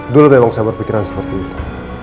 dulu memang saya berpikiran seperti itu